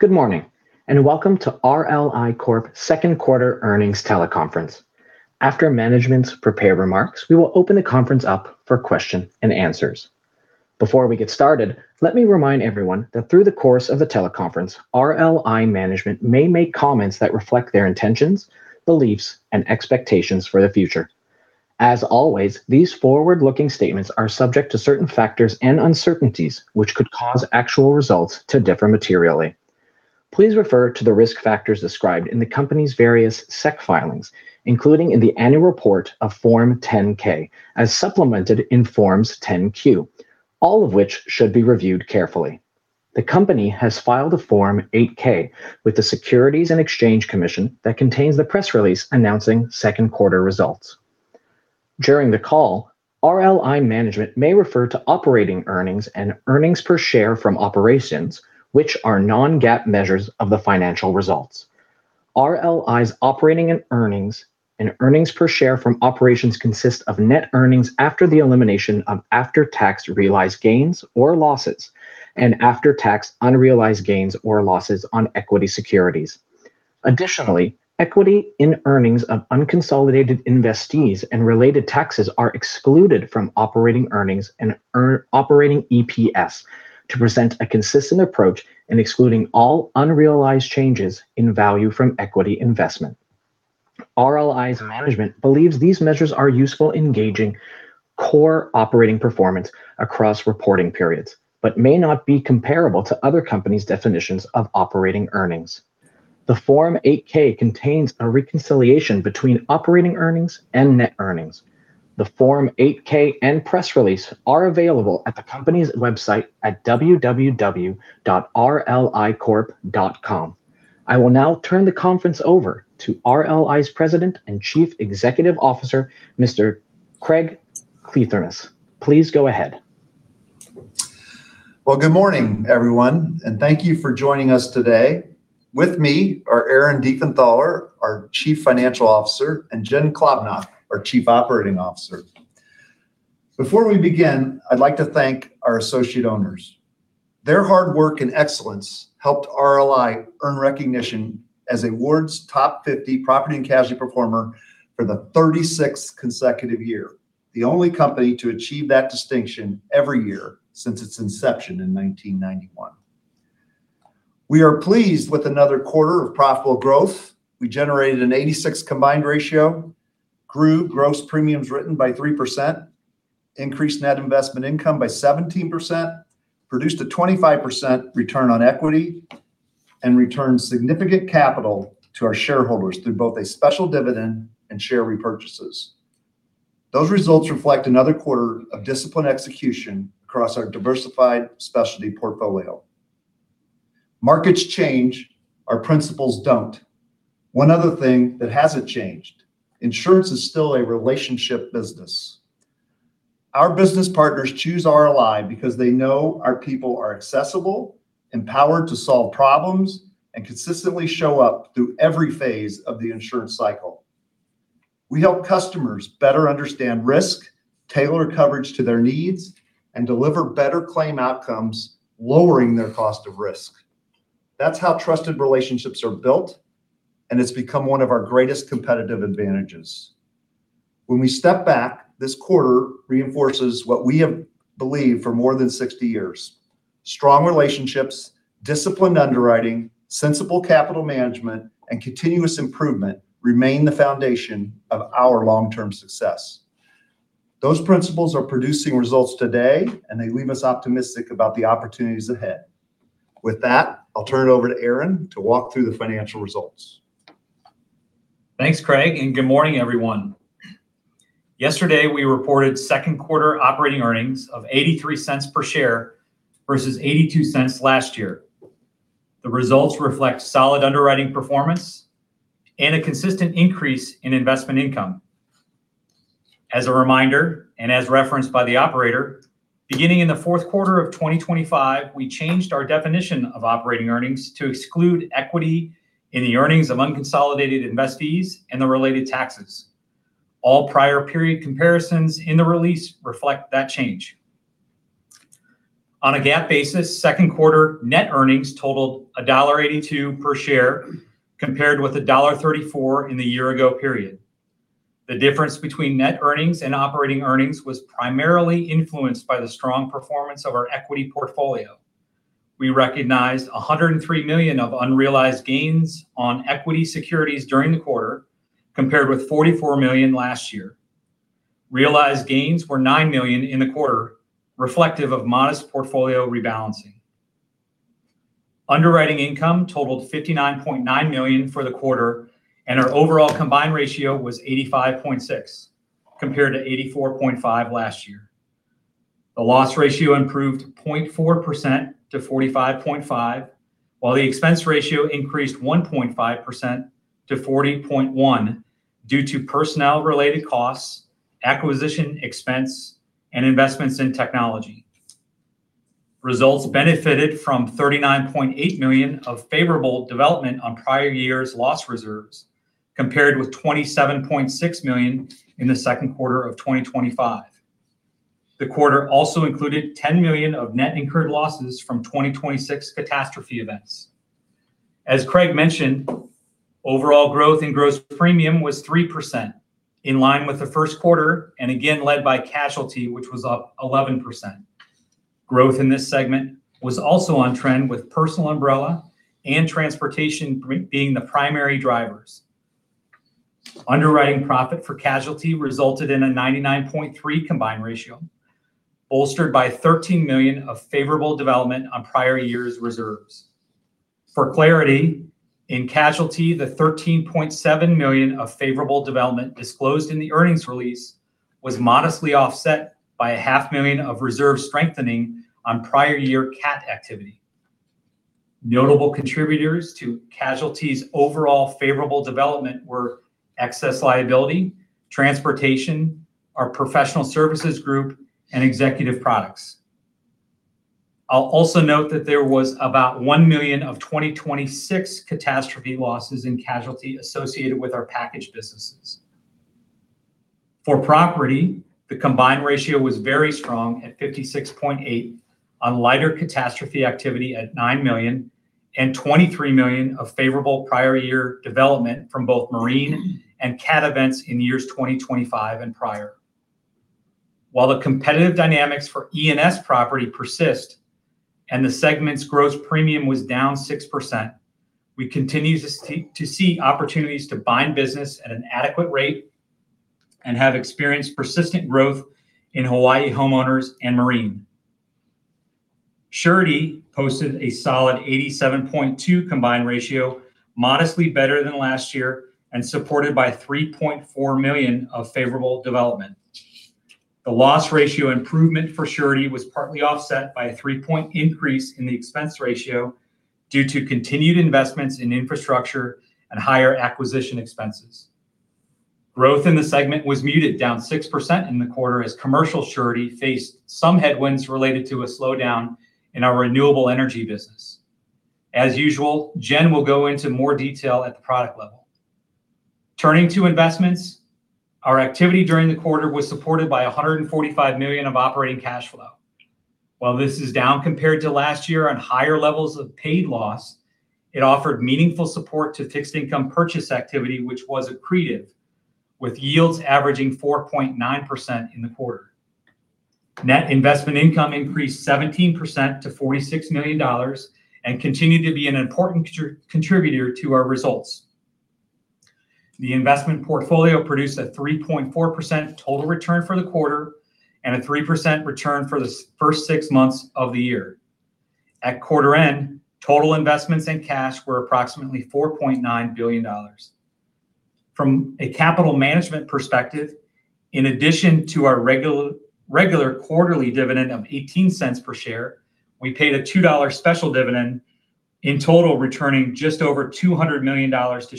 Good morning, welcome to RLI Corp. second quarter earnings teleconference. After management's prepared remarks, we will open the conference up for question and answers. Before we get started, let me remind everyone that through the course of the teleconference, RLI management may make comments that reflect their intentions, beliefs, and expectations for the future. As always, these forward-looking statements are subject to certain factors and uncertainties, which could cause actual results to differ materially. Please refer to the risk factors described in the company's various SEC filings, including in the annual report of Form 10-K, as supplemented in Forms 10-Q, all of which should be reviewed carefully. The company has filed a Form 8-K with the Securities and Exchange Commission that contains the press release announcing second quarter results. During the call, RLI management may refer to operating earnings and earnings per share from operations, which are non-GAAP measures of the financial results. RLI's operating earnings and earnings per share from operations consist of net earnings after the elimination of after-tax realized gains or losses and after-tax unrealized gains or losses on equity securities. Additionally, equity in earnings of unconsolidated investees and related taxes are excluded from operating earnings and operating EPS to present a consistent approach in excluding all unrealized changes in value from equity investment. RLI's management believes these measures are useful in gauging core operating performance across reporting periods but may not be comparable to other companies' definitions of operating earnings. The Form 8-K contains a reconciliation between operating earnings and net earnings. The Form 8-K and press release are available at the company's website at www.rlicorp.com. I will now turn the conference over to RLI's President and Chief Executive Officer, Mr. Craig Kliethermes. Please go ahead. Well, good morning, everyone, thank you for joining us today. With me are Aaron Diefenthaler, our Chief Financial Officer, and Jen Klobnak, our Chief Operating Officer. Before we begin, I'd like to thank our associate owners. Their hard work and excellence helped RLI earn recognition as Ward's 50 Property and Casualty Performer for the 36th consecutive year, the only company to achieve that distinction every year since its inception in 1991. We are pleased with another quarter of profitable growth. We generated an 86 combined ratio, grew gross premiums written by 3%, increased net investment income by 17%, produced a 25% return on equity, returned significant capital to our shareholders through both a special dividend and share repurchases. Those results reflect another quarter of disciplined execution across our diversified specialty portfolio. Markets change; our principles don't. One other thing that hasn't changed, insurance is still a relationship business. Our business partners choose RLI because they know our people are accessible, empowered to solve problems, and consistently show up through every phase of the insurance cycle. We help customers better understand risk, tailor coverage to their needs, and deliver better claim outcomes, lowering their cost of risk. That's how trusted relationships are built, and it's become one of our greatest competitive advantages. When we step back, this quarter reinforces what we have believed for more than 60 years. Strong relationships, disciplined underwriting, sensible capital management, and continuous improvement remain the foundation of our long-term success. Those principles are producing results today, and they leave us optimistic about the opportunities ahead. With that, I'll turn it over to Aaron to walk through the financial results. Thanks, Craig. Good morning, everyone. Yesterday, we reported second quarter operating earnings of $0.83 per share versus $0.82 last year. The results reflect solid underwriting performance and a consistent increase in investment income. As a reminder, as referenced by the operator, beginning in the fourth quarter of 2025, we changed our definition of operating earnings to exclude equity in the earnings of unconsolidated investees and the related taxes. All prior period comparisons in the release reflect that change. On a GAAP basis, second quarter net earnings totaled $1.82 per share compared with $1.34 in the year-ago period. The difference between net earnings and operating earnings was primarily influenced by the strong performance of our equity portfolio. We recognized $103 million of unrealized gains on equity securities during the quarter, compared with $44 million last year. Realized gains were $9 million in the quarter, reflective of modest portfolio rebalancing. Underwriting income totaled $59.9 million for the quarter. Our overall combined ratio was 85.6, compared to 84.5 last year. The loss ratio improved 0.4% to 45.5, while the expense ratio increased 1.5% to 40.1 due to personnel-related costs, acquisition expense, and investments in technology. Results benefited from $39.8 million of favorable development on prior year's loss reserves, compared with $27.6 million in the second quarter of 2025. The quarter also included $10 million of net incurred losses from 2026 catastrophe events. As Craig mentioned, overall growth in gross premium was 3%, in line with the first quarter and again led by casualty, which was up 11%. Growth in this segment was also on trend with personal umbrella and transportation being the primary drivers. Underwriting profit for casualty resulted in a 99.3 combined ratio, bolstered by $13 million of favorable development on prior years reserves. For clarity, in casualty, the $13.7 million of favorable development disclosed in the earnings release was modestly offset by a half million of reserve strengthening on prior year CAT activity. Notable contributors to casualty's overall favorable development were excess liability, transportation, our Professional Services Group, and Executive Products. I'll also note that there was about $1 million of 2026 catastrophe losses in casualty associated with our packaged businesses. For property, the combined ratio was very strong at 56.8 on lighter catastrophe activity at $9 million and $23 million of favorable prior year development from both marine and CAT events in the years 2025 and prior. While the competitive dynamics for E&S property persist and the segment's gross premium was down 6%, we continue to see opportunities to bind business at an adequate rate and have experienced persistent growth in Hawaii homeowners and marine. Surety posted a solid 87.2 combined ratio, modestly better than last year and supported by $3.4 million of favorable development. The loss ratio improvement for surety was partly offset by a three-point increase in the expense ratio due to continued investments in infrastructure and higher acquisition expenses. Growth in the segment was muted, down 6% in the quarter as commercial surety faced some headwinds related to a slowdown in our renewable energy business. As usual, Jen will go into more detail at the product level. Turning to investments, our activity during the quarter was supported by $145 million of operating cash flow. While this is down compared to last year on higher levels of paid loss, it offered meaningful support to fixed income purchase activity, which was accretive, with yields averaging 4.9% in the quarter. Net investment income increased 17% to $46 million and continued to be an important contributor to our results. The investment portfolio produced a 3.4% total return for the quarter and a 3% return for the first six months of the year. At quarter end, total investments in cash were approximately $4.9 billion. From a capital management perspective, in addition to our regular quarterly dividend of $0.18 per share, we paid a $2.00 special dividend, in total returning just over $200 million to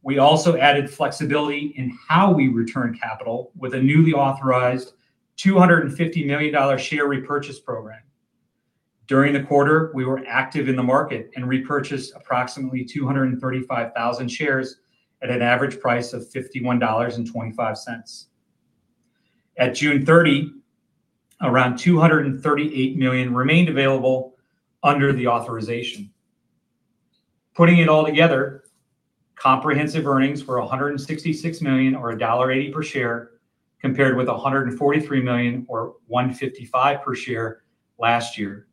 shareholders. We also added flexibility in how we return capital with a newly authorized $250 million share repurchase program. During the quarter, we were active in the market and repurchased approximately 235,000 shares at an average price of $51.25. At June 30, around $238 million remained available under the authorization. Putting it all together, comprehensive earnings were $166 million or $1.80 per share, compared with $143 million or $1.55 per share last year.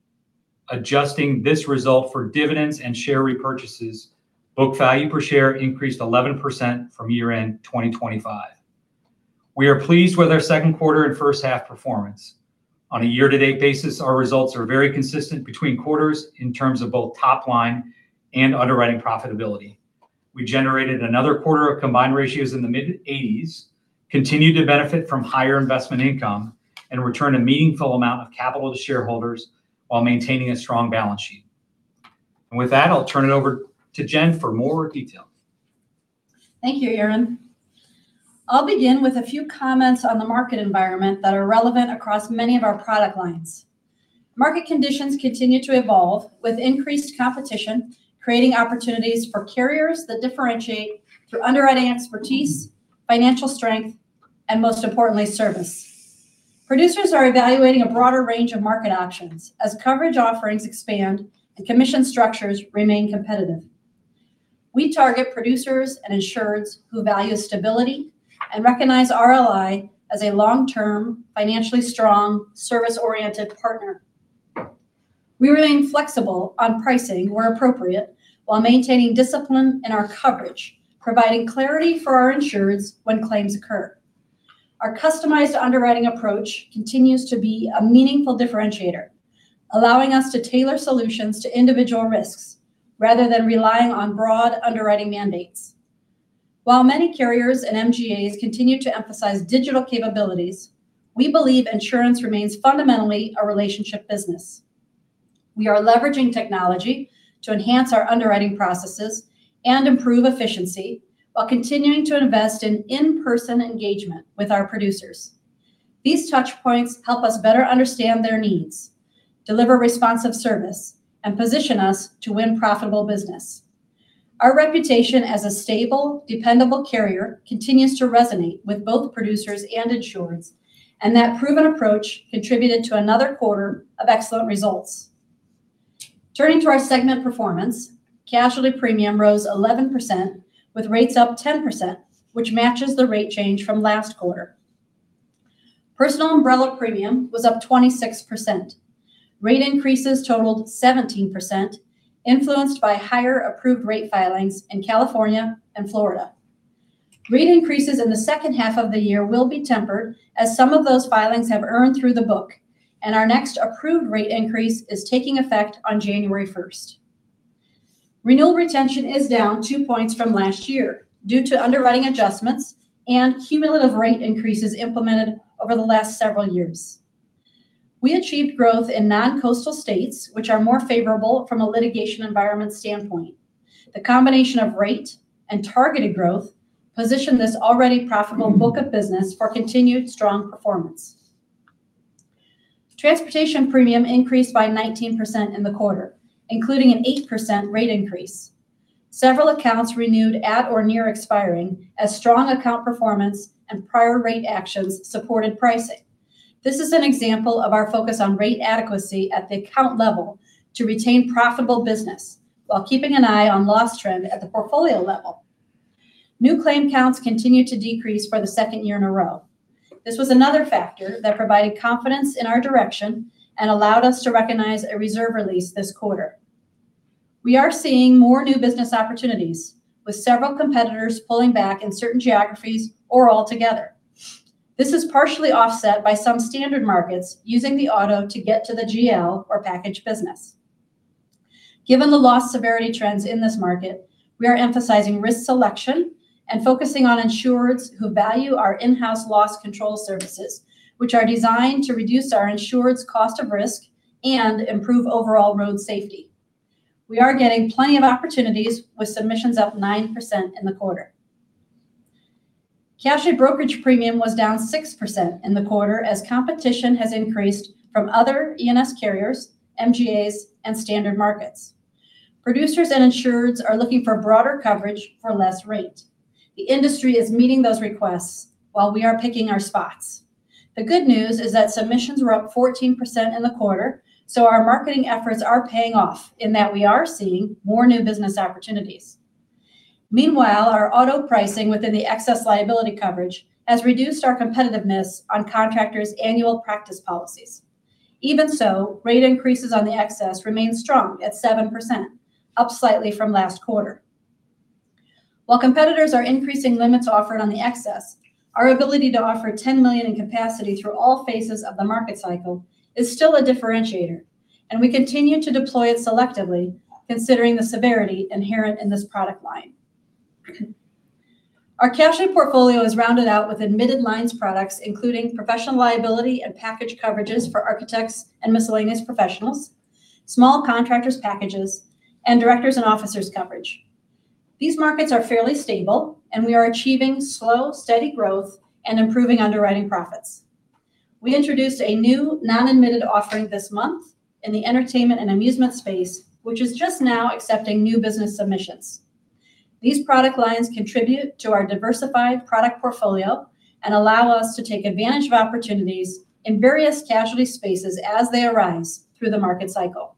Adjusting this result for dividends and share repurchases, book value per share increased 11% from year-end 2025. We are pleased with our second quarter and first half performance. On a year-to-date basis, our results are very consistent between quarters in terms of both top line and underwriting profitability. We generated another quarter of combined ratios in the mid-80s, continued to benefit from higher investment income, and return a meaningful amount of capital to shareholders while maintaining a strong balance sheet. With that, I'll turn it over to Jen for more detail. Thank you, Aaron. I'll begin with a few comments on the market environment that are relevant across many of our product lines. Market conditions continue to evolve with increased competition, creating opportunities for carriers that differentiate through underwriting expertise, financial strength, and most importantly, service. Producers are evaluating a broader range of market options as coverage offerings expand and commission structures remain competitive. We target producers and insureds who value stability and recognize RLI as a long-term, financially strong, service-oriented partner. We remain flexible on pricing where appropriate while maintaining discipline in our coverage, providing clarity for our insureds when claims occur. Our customized underwriting approach continues to be a meaningful differentiator, allowing us to tailor solutions to individual risks rather than relying on broad underwriting mandates. While many carriers and MGAs continue to emphasize digital capabilities, we believe insurance remains fundamentally a relationship business. We are leveraging technology to enhance our underwriting processes and improve efficiency while continuing to invest in in-person engagement with our producers. These touchpoints help us better understand their needs, deliver responsive service, and position us to win profitable business. Our reputation as a stable, dependable carrier continues to resonate with both producers and insureds, and that proven approach contributed to another quarter of excellent results. Turning to our segment performance, casualty premium rose 11%, with rates up 10%, which matches the rate change from last quarter. Personal umbrella premium was up 26%. Rate increases totaled 17%, influenced by higher approved rate filings in California and Florida. Rate increases in the second half of the year will be tempered, as some of those filings have earned through the book, and our next approved rate increase is taking effect on January 1st. Renewal retention is down two points from last year due to underwriting adjustments and cumulative rate increases implemented over the last several years. We achieved growth in non-coastal states, which are more favorable from a litigation environment standpoint. The combination of rate and targeted growth position this already profitable book of business for continued strong performance. Transportation premium increased by 19% in the quarter, including an 8% rate increase. Several accounts renewed at or near expiring as strong account performance and prior rate actions supported pricing. This is an example of our focus on rate adequacy at the account level to retain profitable business, while keeping an eye on loss trend at the portfolio level. New claim counts continued to decrease for the second year in a row. This was another factor that provided confidence in our direction and allowed us to recognize a reserve release this quarter. We are seeing more new business opportunities, with several competitors pulling back in certain geographies or altogether. This is partially offset by some standard markets using the auto to get to the GL or package business. Given the loss severity trends in this market, we are emphasizing risk selection and focusing on insureds who value our in-house loss control services, which are designed to reduce our insured's cost of risk and improve overall road safety. We are getting plenty of opportunities with submissions up 9% in the quarter. Casualty brokerage premium was down 6% in the quarter as competition has increased from other E&S carriers, MGAs, and standard markets. Producers and insureds are looking for broader coverage for less rate. The industry is meeting those requests while we are picking our spots. The good news is that submissions were up 14% in the quarter. Our marketing efforts are paying off in that we are seeing more new business opportunities. Meanwhile, our auto pricing within the excess liability coverage has reduced our competitiveness on contractors' annual practice policies. Even so, rate increases on the excess remain strong at 7%, up slightly from last quarter. While competitors are increasing limits offered on the excess, our ability to offer $10 million in capacity through all phases of the market cycle is still a differentiator, and we continue to deploy it selectively, considering the severity inherent in this product line. Our casualty portfolio is rounded out with admitted lines products, including professional liability and package coverages for architects and miscellaneous professionals, small contractors packages, and directors' and officers' coverage. These markets are fairly stable, and we are achieving slow, steady growth and improving underwriting profits. We introduced a new non-admitted offering this month in the entertainment and amusement space, which is just now accepting new business submissions. These product lines contribute to our diversified product portfolio and allow us to take advantage of opportunities in various casualty spaces as they arise through the market cycle.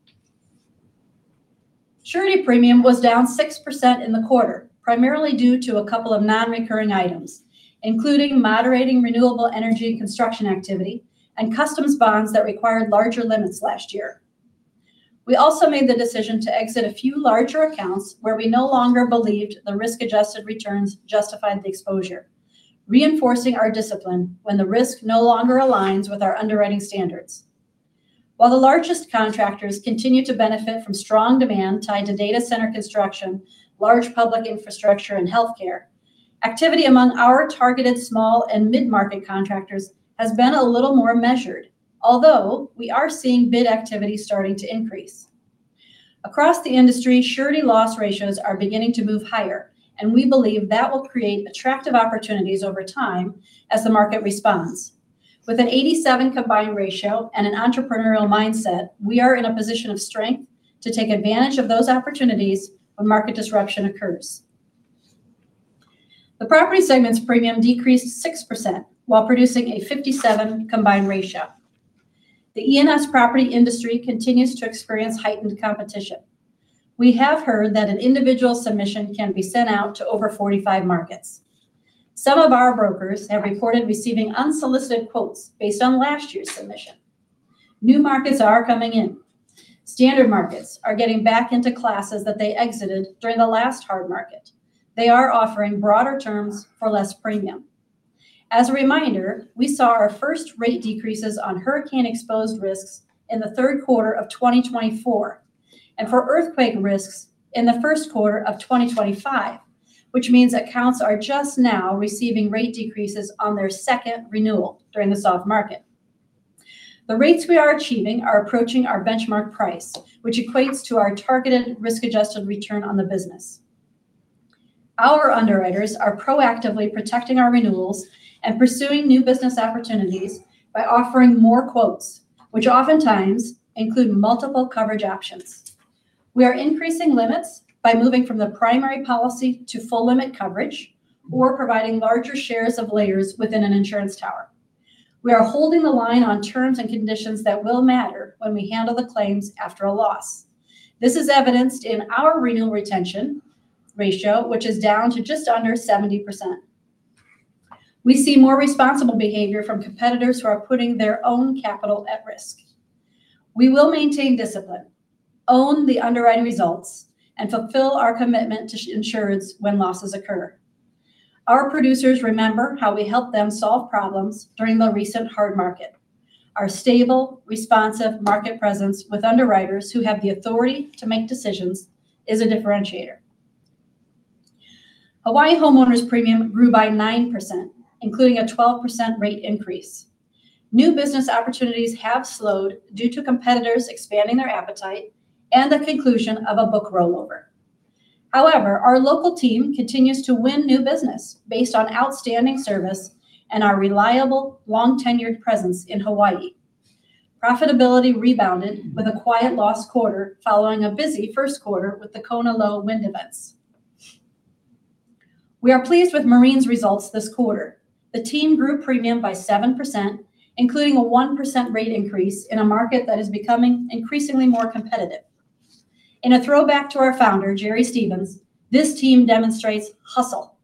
Surety premium was down 6% in the quarter, primarily due to a couple of non-recurring items, including moderating renewable energy construction activity and customs bonds that required larger limits last year. We also made the decision to exit a few larger accounts where we no longer believed the risk-adjusted returns justified the exposure, reinforcing our discipline when the risk no longer aligns with our underwriting standards. While the largest contractors continue to benefit from strong demand tied to data center construction, large public infrastructure, and healthcare, activity among our targeted small and mid-market contractors has been a little more measured, although we are seeing bid activity starting to increase. Across the industry, surety loss ratios are beginning to move higher. We believe that will create attractive opportunities over time as the market responds. With an 87 combined ratio and an entrepreneurial mindset, we are in a position of strength to take advantage of those opportunities when market disruption occurs. The property segment's premium decreased 6% while producing a 57 combined ratio. The E&S property industry continues to experience heightened competition. We have heard that an individual submission can be sent out to over 45 markets. Some of our brokers have reported receiving unsolicited quotes based on last year's submission. New markets are coming in. Standard markets are getting back into classes that they exited during the last hard market. They are offering broader terms for less premium. As a reminder, we saw our first rate decreases on hurricane-exposed risks in the third quarter of 2024 and for earthquake risks in the first quarter of 2025, which means that counts are just now receiving rate decreases on their second renewal during the soft market. The rates we are achieving are approaching our benchmark price, which equates to our targeted risk-adjusted return on the business. Our underwriters are proactively protecting our renewals and pursuing new business opportunities by offering more quotes, which oftentimes include multiple coverage options. We are increasing limits by moving from the primary policy to full limit coverage or providing larger shares of layers within an insurance tower. We are holding the line on terms and conditions that will matter when we handle the claims after a loss. This is evidenced in our renewal retention ratio, which is down to just under 70%. We see more responsible behavior from competitors who are putting their own capital at risk. We will maintain discipline, own the underwriting results, and fulfill our commitment to insureds when losses occur. Our producers remember how we helped them solve problems during the recent hard market. Our stable, responsive market presence with underwriters who have the authority to make decisions is a differentiator. Hawaii homeowners premium grew by 9%, including a 12% rate increase. New business opportunities have slowed due to competitors expanding their appetite and the conclusion of a book rollover. However, our local team continues to win new business based on outstanding service and our reliable, long-tenured presence in Hawaii. Profitability rebounded with a quiet loss quarter following a busy first quarter with the Kona low wind events. We are pleased with marine's results this quarter. The team grew premium by 7%, including a 1% rate increase in a market that is becoming increasingly more competitive. In a throwback to our founder, Jerry Stevens, this team demonstrates hustle.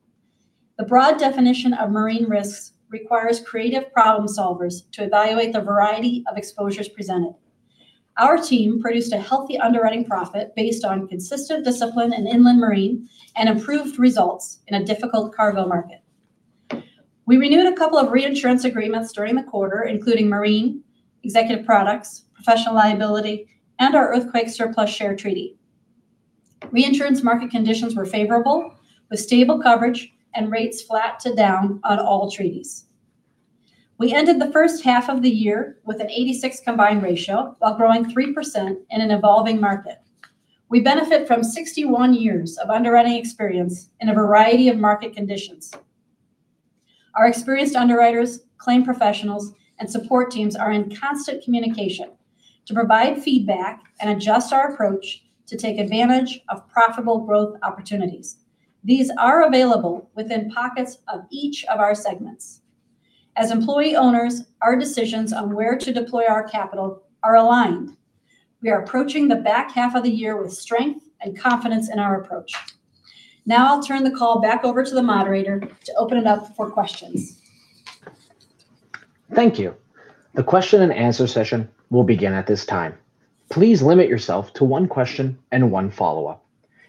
The broad definition of marine risks requires creative problem solvers to evaluate the variety of exposures presented. Our team produced a healthy underwriting profit based on consistent discipline in inland marine and improved results in a difficult cargo market. We renewed a couple of reinsurance agreements during the quarter, including marine, Executive Products, professional liability, and our earthquake surplus share treaty. Reinsurance market conditions were favorable, with stable coverage and rates flat to down on all treaties. We ended the first half of the year with an 86 combined ratio while growing 3% in an evolving market. We benefit from 61 years of underwriting experience in a variety of market conditions. Our experienced underwriters, claim professionals, and support teams are in constant communication to provide feedback and adjust our approach to take advantage of profitable growth opportunities. These are available within pockets of each of our segments. As employee owners, our decisions on where to deploy our capital are aligned. We are approaching the back half of the year with strength and confidence in our approach. I'll turn the call back over to the moderator to open it up for questions. Thank you. The question and answer session will begin at this time. Please limit yourself to one question and one follow-up.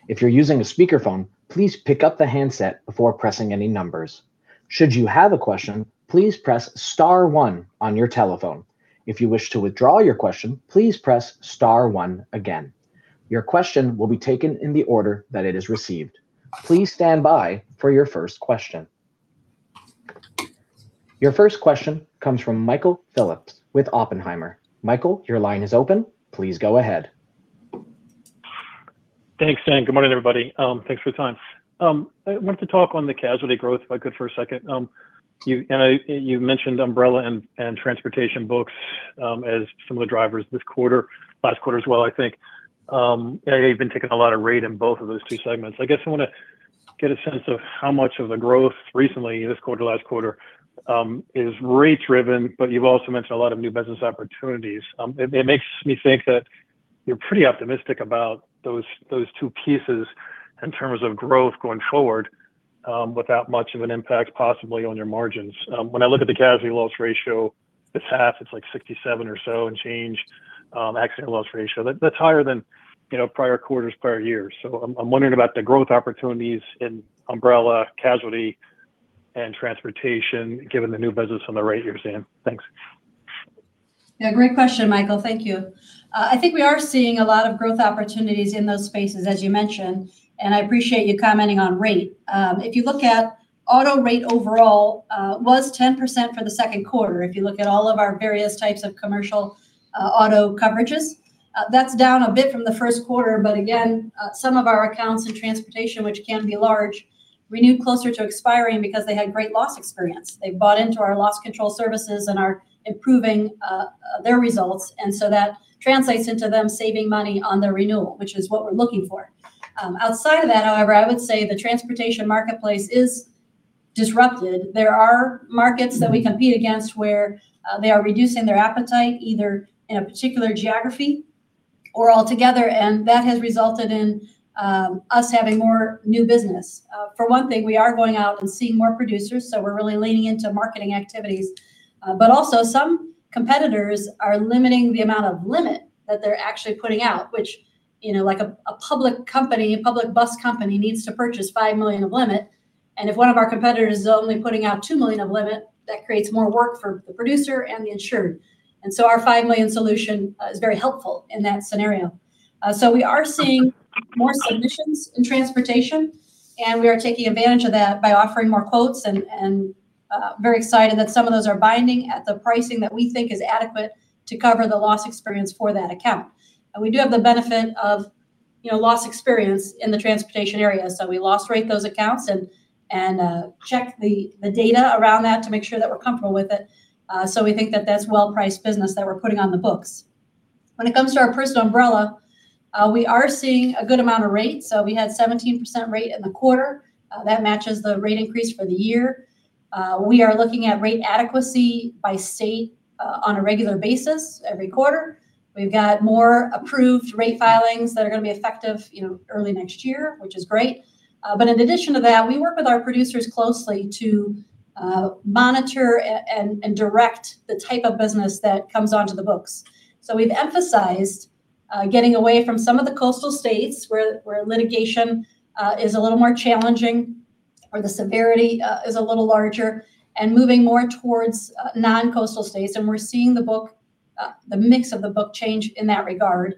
If you're using a speakerphone, please pick up the handset before pressing any numbers. Should you have a question, please press star one on your telephone. If you wish to withdraw your question, please press star one again. Your question will be taken in the order that it is received. Please stand by for your first question. Your first question comes from Michael Phillips with Oppenheimer. Michael, your line is open. Please go ahead. Thanks, Sam. Good morning, everybody. Thanks for the time. I wanted to talk on the casualty growth, if I could, for a second. You mentioned umbrella and transportation books as some of the drivers this quarter, last quarter as well, I think. You've been taking a lot of rate in both of those two segments. I guess I want to get a sense of how much of the growth recently, this quarter, last quarter, is rate driven, but you've also mentioned a lot of new business opportunities. It makes me think that you're pretty optimistic about those two pieces in terms of growth going forward without much of an impact possibly on your margins. When I look at the casualty loss ratio this half, it's like 67 or so and change, accident loss ratio. That's higher than prior quarters, prior years. I'm wondering about the growth opportunities in umbrella casualty and transportation, given the new business on the rate you're seeing. Thanks. Great question, Michael. Thank you. I think we are seeing a lot of growth opportunities in those spaces, as you mentioned, and I appreciate you commenting on rate. If you look at auto rate overall, was 10% for the second quarter, if you look at all of our various types of commercial auto coverages. That's down a bit from the first quarter, but again, some of our accounts in transportation, which can be large, renew closer to expiring because they had great loss experience. They bought into our loss control services and are improving their results, that translates into them saving money on the renewal, which is what we're looking for. Outside of that, however, I would say the transportation marketplace is disrupted. There are markets that we compete against where they are reducing their appetite, either in a particular geography or altogether, that has resulted in us having more new business. For one thing, we are going out and seeing more producers, we're really leaning into marketing activities. Also, some competitors are limiting the amount of limit that they're actually putting out, which a public bus company needs to purchase $5 million of limit, if one of our competitors is only putting out $2 million of limit, that creates more work for the producer and the insured. Our $5 million solution is very helpful in that scenario. We are seeing more submissions in transportation, and Very excited that some of those are binding at the pricing that we think is adequate to cover the loss experience for that account. We do have the benefit of loss experience in the transportation area. We loss rate those accounts and check the data around that to make sure that we're comfortable with it. We think that that's well-priced business that we're putting on the books. When it comes to our personal umbrella, we are seeing a good amount of rate. We had 17% rate in the quarter. That matches the rate increase for the year. We are looking at rate adequacy by state on a regular basis every quarter. We've got more approved rate filings that are going to be effective early next year, which is great. In addition to that, we work with our producers closely to monitor and direct the type of business that comes onto the books. We've emphasized getting away from some of the coastal states where litigation is a little more challenging or the severity is a little larger and moving more towards non-coastal states. We're seeing the mix of the book change in that regard.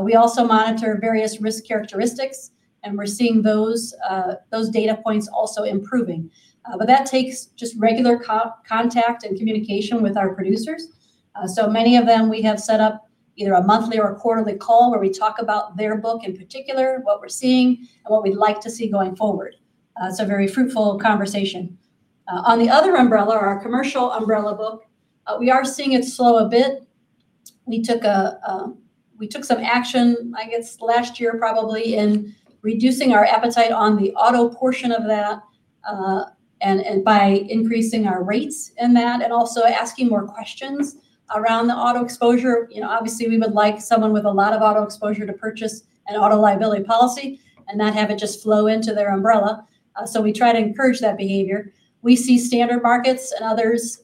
We also monitor various risk characteristics, and we're seeing those data points also improving. That takes just regular contact and communication with our producers. Many of them, we have set up either a monthly or a quarterly call where we talk about their book, in particular, what we're seeing and what we'd like to see going forward. Very fruitful conversation. On the other umbrella, our commercial umbrella book, we are seeing it slow a bit. We took some action, I guess, last year probably in reducing our appetite on the auto portion of that and by increasing our rates in that and also asking more questions around the auto exposure. Obviously, we would like someone with a lot of auto exposure to purchase an auto liability policy and not have it just flow into their umbrella. We try to encourage that behavior. We see standard markets and others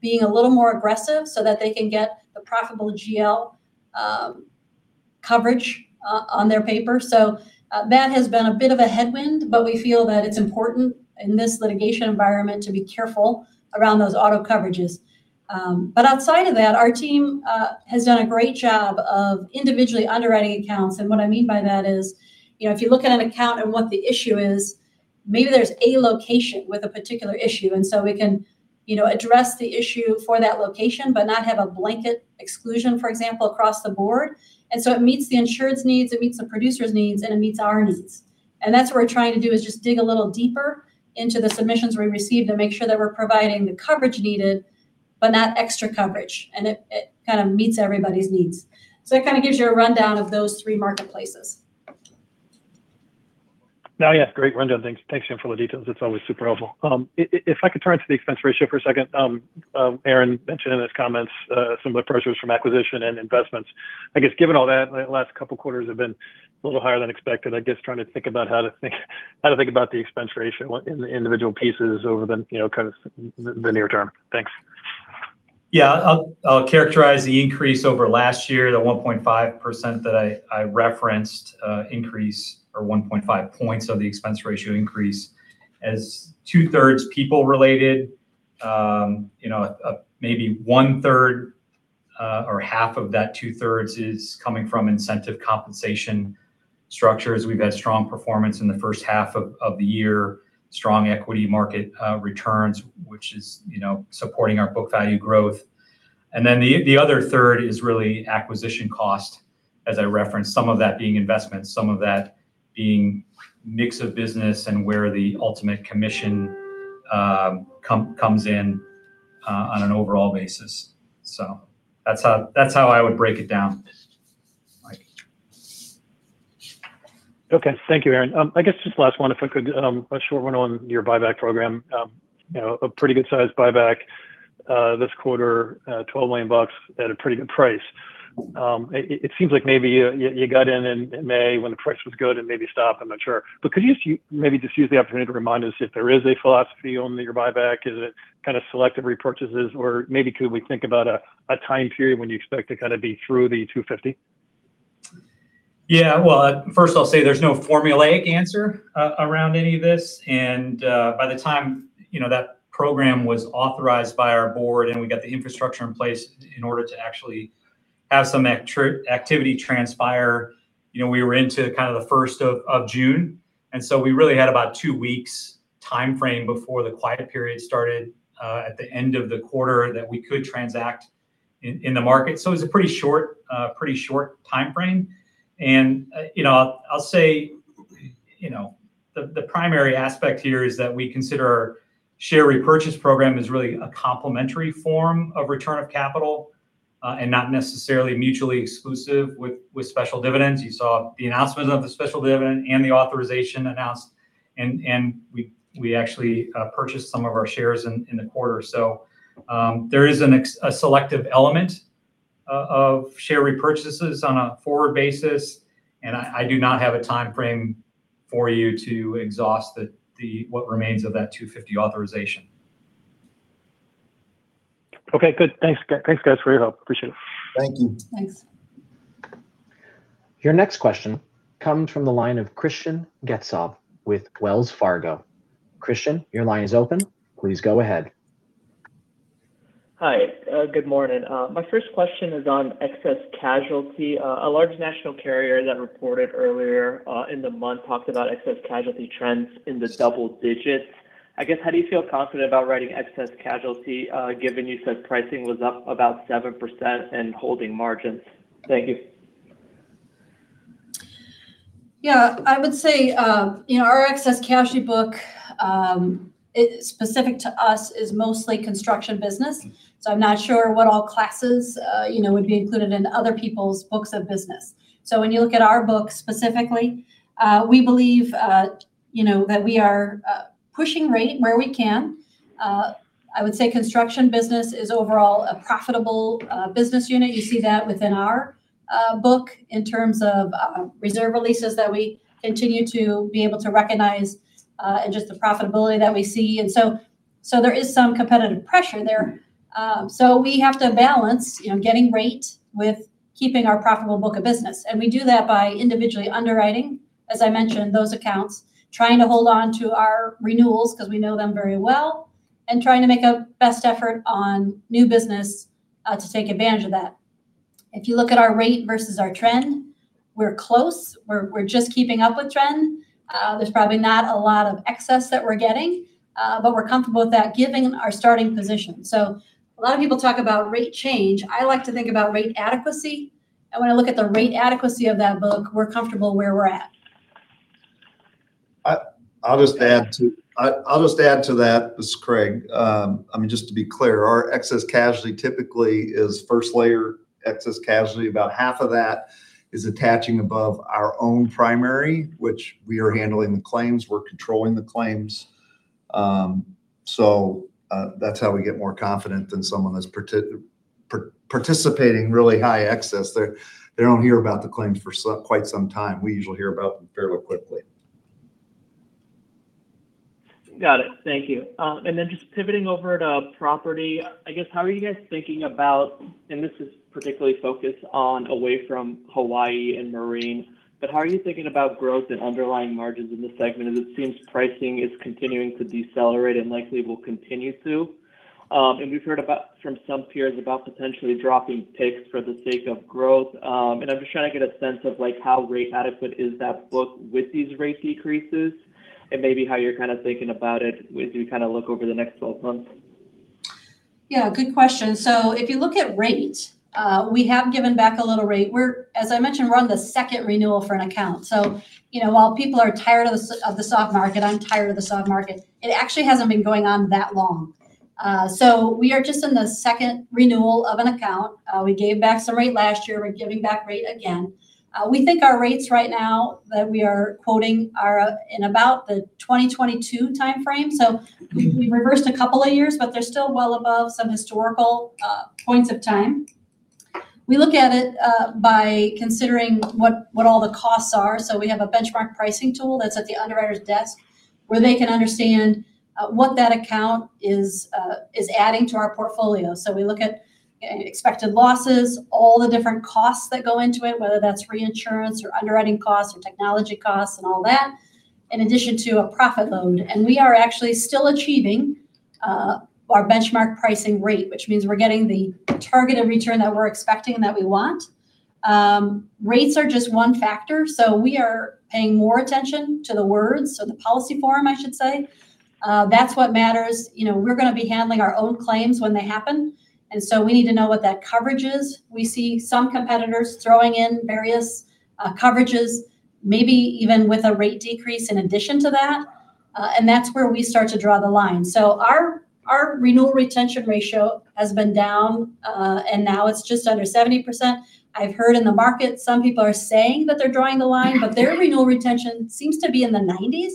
being a little more aggressive so that they can get the profitable GL coverage on their paper. That has been a bit of a headwind, but we feel that it's important in this litigation environment to be careful around those auto coverages. Outside of that, our team has done a great job of individually underwriting accounts. What I mean by that is, if you look at an account and what the issue is, maybe there's a location with a particular issue. We can address the issue for that location, but not have a blanket exclusion, for example, across the board. It meets the insured's needs, it meets the producer's needs, and it meets our needs. That's what we're trying to do is just dig a little deeper into the submissions we receive to make sure that we're providing the coverage needed, but not extra coverage. It kind of meets everybody's needs. It gives you a rundown of those three marketplaces. Yes. Great rundown. Thanks, Jen, for the details. It's always super helpful. If I could turn to the expense ratio for a second. Aaron mentioned in his comments some of the pressures from acquisition and investments. Given all that, the last couple quarters have been a little higher than expected. Trying to think about how to think about the expense ratio in the individual pieces over the near term. Thanks. I'll characterize the increase over last year, the 1.5% that I referenced increase, or 1.5 points of the expense ratio increase, as two thirds people related. Maybe one third or half of that two thirds is coming from incentive compensation structures. We've had strong performance in the first half of the year, strong equity market returns, which is supporting our book value growth. The other third is really acquisition cost, as I referenced, some of that being investment, some of that being mix of business and where the ultimate commission comes in on an overall basis. That's how I would break it down, Mike. Okay. Thank you, Aaron. I guess just last one, if I could, a short one on your buyback program. A pretty good sized buyback this quarter, $12 million at a pretty good price. It seems like maybe you got in in May when the price was good and maybe stopped. I'm not sure. Could you maybe just use the opportunity to remind us if there is a philosophy on your buyback? Is it selective repurchases, or maybe could we think about a time period when you expect to be through the $250? Yeah. Well, first I'll say there's no formulaic answer around any of this. By the time that program was authorized by our board and we got the infrastructure in place in order to actually have some activity transpire, we were into the first of June. We really had about two weeks timeframe before the quiet period started at the end of the quarter that we could transact in the market. It was a pretty short timeframe. I'll say the primary aspect here is that we consider our share repurchase program as really a complementary form of return of capital and not necessarily mutually exclusive with special dividends. You saw the announcement of the special dividend and the authorization announced, we actually purchased some of our shares in the quarter. There is a selective element of share repurchases on a forward basis, and I do not have a timeframe for you to exhaust what remains of that $250 authorization. Okay, good. Thanks, guys, for your help. Appreciate it. Thank you. Thanks. Your next question comes from the line of Christian Getzoff with Wells Fargo. Christian, your line is open. Please go ahead. Hi, good morning. My first question is on excess casualty. A large national carrier that reported earlier in the month talked about excess casualty trends in the double digits. I guess, how do you feel confident about writing excess casualty, given you said pricing was up about 7% and holding margins? Thank you. I would say our excess casualty book, specific to us, is mostly construction business. I'm not sure what all classes would be included in other people's books of business. When you look at our book specifically, we believe that we are pushing rate where we can. I would say construction business is overall a profitable business unit. You see that within our book in terms of reserve releases that we continue to be able to recognize, and just the profitability that we see. There is some competitive pressure there. We have to balance getting rate with keeping our profitable book of business. We do that by individually underwriting, as I mentioned, those accounts, trying to hold onto our renewals because we know them very well, and trying to make a best effort on new business, to take advantage of that. If you look at our rate versus our trend, we're close. We're just keeping up with trend. There's probably not a lot of excess that we're getting, but we're comfortable with that given our starting position. A lot of people talk about rate change. I like to think about rate adequacy, and when I look at the rate adequacy of that book, we're comfortable where we're at. I'll just add to that. This is Craig. Just to be clear, our excess casualty typically is first layer excess casualty. About half of that is attaching above our own primary, which we are handling the claims, we're controlling the claims. That's how we get more confident than someone that's participating really high excess. They don't hear about the claims for quite some time. We usually hear about them fairly quickly. Got it. Thank you. Just pivoting over to property, I guess, how are you guys thinking about, and this is particularly focused on away from Hawaii and marine, but how are you thinking about growth and underlying margins in this segment, as it seems pricing is continuing to decelerate and likely will continue to? We've heard from some peers about potentially dropping ticks for the sake of growth. I'm just trying to get a sense of how rate adequate is that book with these rate decreases and maybe how you're thinking about it as we look over the next 12 months. If you look at rate, we have given back a little rate. As I mentioned, we're on the second renewal for an account. While people are tired of the soft market, I'm tired of the soft market, it actually hasn't been going on that long. We are just in the second renewal of an account. We gave back some rate last year. We're giving back rate again. We think our rates right now that we are quoting are in about the 2022 timeframe. We've reversed a couple of years, but they're still well above some historical points of time. We look at it by considering what all the costs are. We have a benchmark pricing tool that's at the underwriter's desk where they can understand what that account is adding to our portfolio. We look at expected losses, all the different costs that go into it, whether that's reinsurance or underwriting costs or technology costs and all that, in addition to a profit load. We are actually still achieving our benchmark pricing rate, which means we're getting the targeted return that we're expecting and that we want. Rates are just one factor. We are paying more attention to the words or the policy form, I should say. That's what matters. We're going to be handling our own claims when they happen, and we need to know what that coverage is. We see some competitors throwing in various coverages, maybe even with a rate decrease in addition to that. That's where we start to draw the line. Our renewal retention ratio has been down, and now it's just under 70%. I've heard in the market, some people are saying that they're drawing the line, but their renewal retention seems to be in the 90s.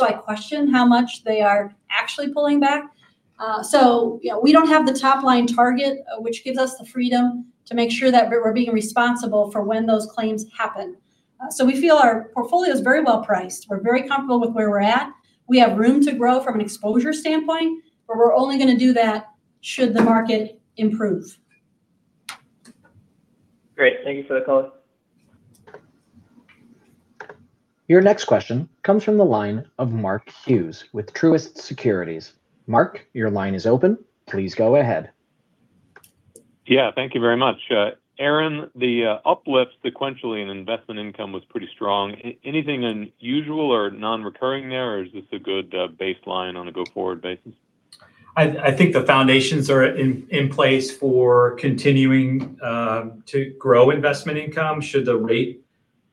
I question how much they are actually pulling back. We don't have the top-line target, which gives us the freedom to make sure that we're being responsible for when those claims happen. We feel our portfolio is very well-priced. We're very comfortable with where we're at. We have room to grow from an exposure standpoint, but we're only going to do that should the market improve. Great. Thank you for the color. Your next question comes from the line of Mark Hughes with Truist Securities. Mark, your line is open. Please go ahead. Yeah, thank you very much. Aaron, the uplift sequentially in investment income was pretty strong. Anything unusual or non-recurring there? Is this a good baseline on a go-forward basis? I think the foundations are in place for continuing to grow investment income should the rate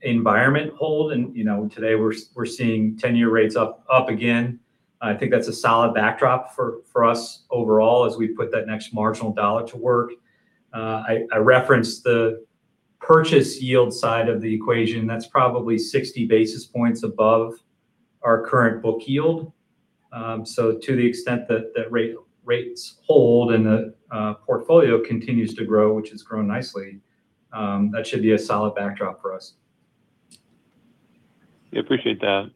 environment hold. Today we're seeing 10-year rates up again. I think that's a solid backdrop for us overall as we put that next marginal dollar to work. I referenced the purchase yield side of the equation. That's probably 60 basis points above our current book yield. To the extent that rates hold and the portfolio continues to grow, which it's grown nicely, that should be a solid backdrop for us. Yeah, appreciate that.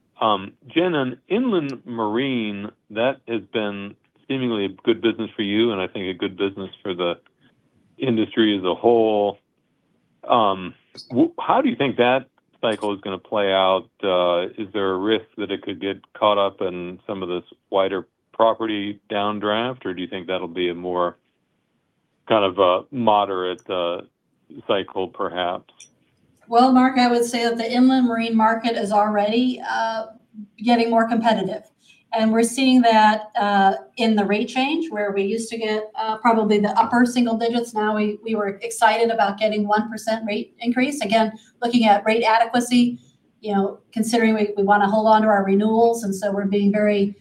Jen, on inland marine, that has been seemingly a good business for you and I think a good business for the industry as a whole. How do you think that cycle is going to play out? Is there a risk that it could get caught up in some of this wider property downdraft, or do you think that'll be a more moderate cycle, perhaps? Well, Mark, I would say that the inland marine market is already getting more competitive. We're seeing that in the rate change. Where we used to get probably the upper single digits, now we were excited about getting a 1% rate increase. Again, looking at rate adequacy, considering we want to hold onto our renewals. We're being very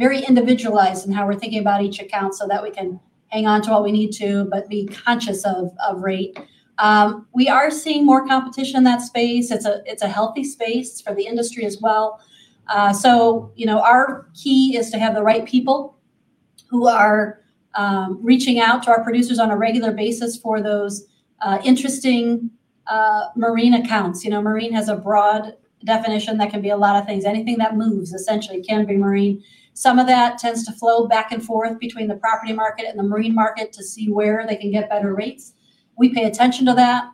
individualized in how we're thinking about each account so that we can hang on to what we need to, but be conscious of rate. We are seeing more competition in that space. It's a healthy space for the industry as well. Our key is to have the right people who are reaching out to our producers on a regular basis for those interesting marine accounts. Marine has a broad definition that can be a lot of things. Anything that moves, essentially, can be marine. Some of that tends to flow back and forth between the property market and the marine market to see where they can get better rates. We pay attention to that.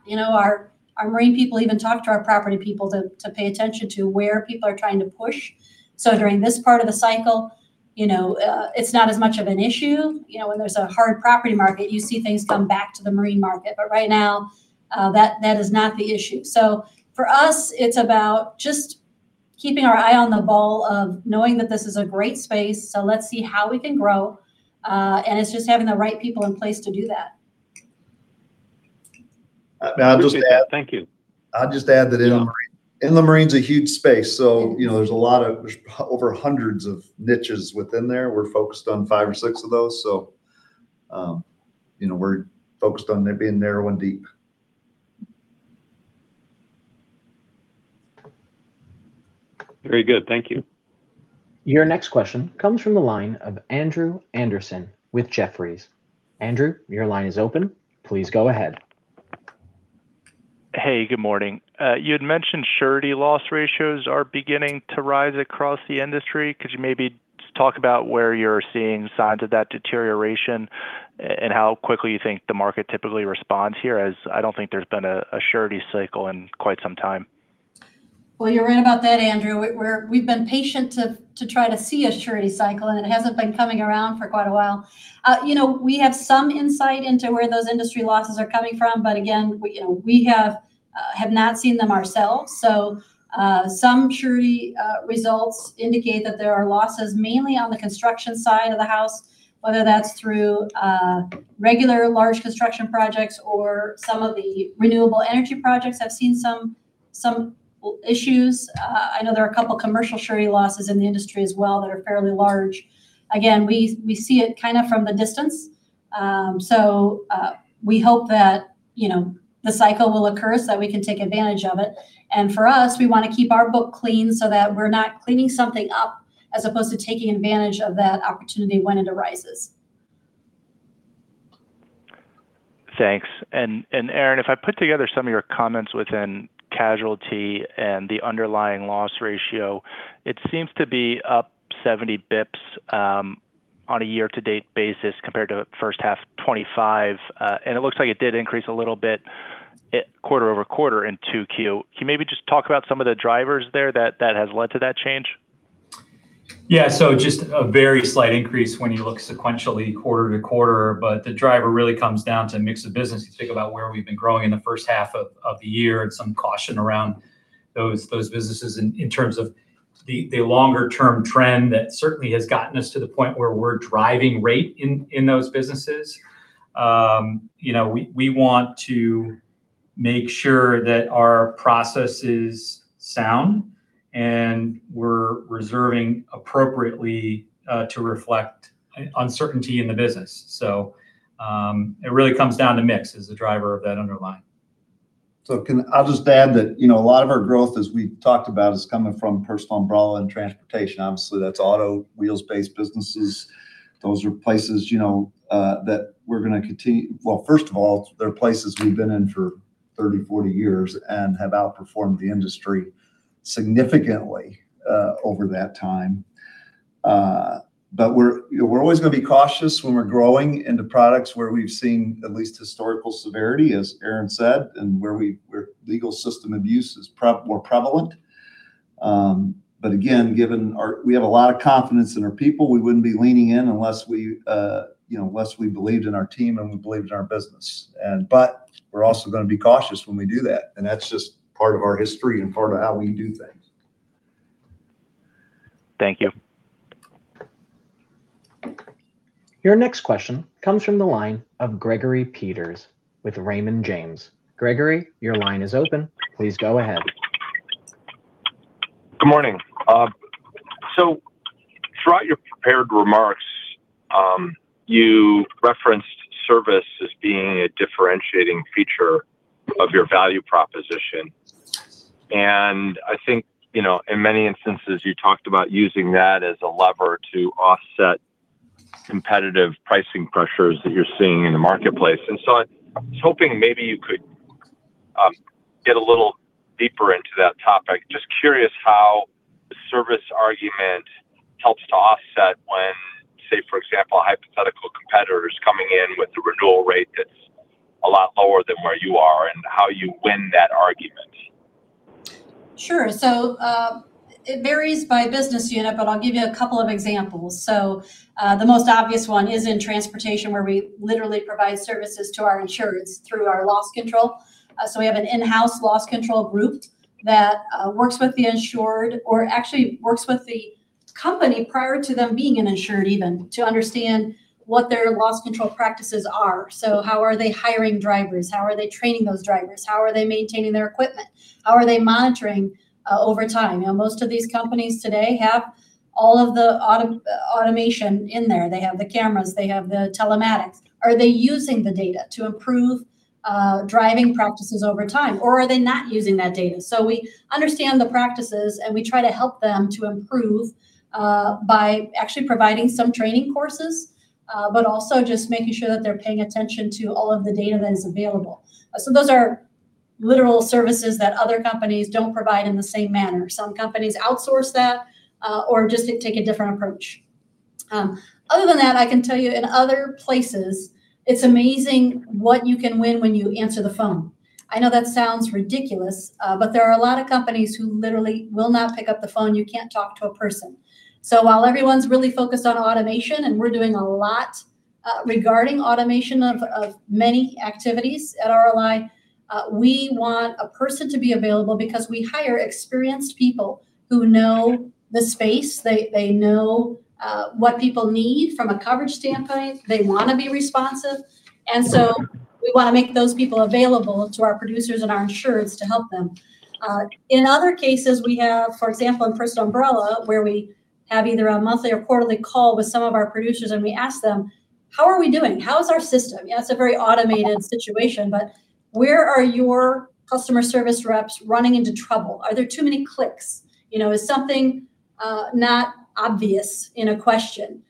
Our marine people even talk to our property people to pay attention to where people are trying to push. During this part of the cycle, it's not as much of an issue. When there's a hard property market, you see things come back to the marine market. Right now, that is not the issue. For us, it's about just keeping our eye on the ball of knowing that this is a great space. Let's see how we can grow. It's just having the right people in place to do that. Appreciate that. Thank you. I'll just add that inland marine's a huge space. There's over hundreds of niches within there. We're focused on five or six of those. We're focused on being narrow and deep. Very good. Thank you. Your next question comes from the line of Andrew Andersen with Jefferies. Andrew, your line is open. Please go ahead. Hey, good morning. You had mentioned surety loss ratios are beginning to rise across the industry. Could you maybe talk about where you're seeing signs of that deterioration and how quickly you think the market typically responds here, as I don't think there's been a surety cycle in quite some time. You're right about that, Andrew. We've been patient to try to see a surety cycle, it hasn't been coming around for quite a while. We have some insight into where those industry losses are coming from, but again, we have not seen them ourselves. Some surety results indicate that there are losses mainly on the construction side of the house, whether that's through regular large construction projects or some of the renewable energy projects have seen some issues. I know there are a couple commercial surety losses in the industry as well that are fairly large. Again, we see it from the distance. We hope that the cycle will occur so that we can take advantage of it. For us, we want to keep our book clean so that we're not cleaning something up as opposed to taking advantage of that opportunity when it arises. Thanks. Aaron, if I put together some of your comments within casualty and the underlying loss ratio, it seems to be up 70 basis points on a year-to-date basis compared to first half 2025. It looks like it did increase a little bit quarter-over-quarter in 2Q. Can you maybe just talk about some of the drivers there that has led to that change? Yeah. Just a very slight increase when you look sequentially quarter-to-quarter, The driver really comes down to mix of business. You think about where we've been growing in the first half of the year and some caution around those businesses in terms of the longer-term trend that certainly has gotten us to the point where we're driving rate in those businesses. We want to make sure that our process is sound and we're reserving appropriately to reflect uncertainty in the business. It really comes down to mix as the driver of that underlying. I'll just add that a lot of our growth, as we talked about, is coming from personal umbrella and transportation. Obviously, that's auto, wheels-based businesses. Those are places that we're going to continue. First of all, they're places we've been in for 30, 40 years and have outperformed the industry significantly over that time. We're always going to be cautious when we're growing into products where we've seen at least historical severity, as Aaron said, and where legal system abuse is more prevalent. Again, we have a lot of confidence in our people. We wouldn't be leaning in unless we believed in our team and we believed in our business. We're also going to be cautious when we do that, and that's just part of our history and part of how we do things. Thank you. Your next question comes from the line of Gregory Peters with Raymond James. Gregory, your line is open. Please go ahead. Good morning. Throughout your prepared remarks, you referenced service as being a differentiating feature of your value proposition, and I think in many instances, you talked about using that as a lever to offset competitive pricing pressures that you're seeing in the marketplace. I was hoping maybe you could get a little deeper into that topic. Just curious how the service argument helps to offset. Example, hypothetical competitors coming in with the renewal rate that's a lot lower than where you are, and how you win that argument Sure. It varies by business unit, but I'll give you a couple of examples. The most obvious one is in transportation, where we literally provide services to our insureds through our loss control. We have an in-house loss control group that works with the insured, or actually works with the company prior to them being an insured even, to understand what their loss control practices are. How are they hiring drivers? How are they training those drivers? How are they maintaining their equipment? How are they monitoring over time? Most of these companies today have all of the automation in there. They have the cameras. They have the telematics. Are they using the data to improve driving practices over time, or are they not using that data? We understand the practices, we try to help them to improve by actually providing some training courses, but also just making sure that they're paying attention to all of the data that is available. Those are literal services that other companies don't provide in the same manner. Some companies outsource that or just take a different approach. Other than that, I can tell you in other places, it's amazing what you can win when you answer the phone. I know that sounds ridiculous, but there are a lot of companies who literally will not pick up the phone. You can't talk to a person. While everyone's really focused on automation, we're doing a lot regarding automation of many activities at RLI, we want a person to be available because we hire experienced people who know the space, they know what people need from a coverage standpoint, they want to be responsive. We want to make those people available to our producers and our insureds to help them. In other cases, we have, for example, in personal umbrella, where we have either a monthly or quarterly call with some of our producers and we ask them, "How are we doing? How is our system?" Yeah, it's a very automated situation, but where are your customer service reps running into trouble? Are there too many clicks? Is something not obvious in a question?